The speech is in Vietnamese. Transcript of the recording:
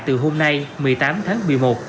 từ hôm nay một mươi tám tháng một mươi một